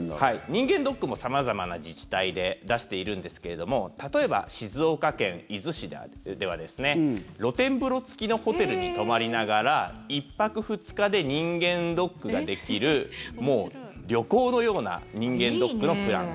人間ドックも様々な自治体で出しているんですけれども例えば静岡県伊豆市では露天風呂付きのホテルに泊まりながら１泊２日で人間ドックができるもう旅行のような人間ドックのプラン。